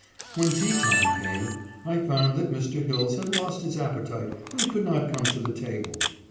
When tea time came, I found that Mr. Hilles had lost his appetite and could not come to the table.